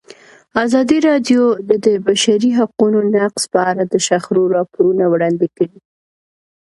ازادي راډیو د د بشري حقونو نقض په اړه د شخړو راپورونه وړاندې کړي.